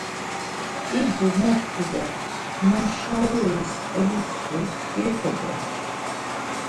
İdu moxtu do numşaruis elustu, gei kogextu.